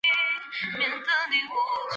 感觉可以住一天